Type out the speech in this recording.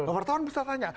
wartawan bisa tanya